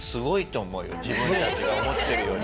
自分たちが思ってるより。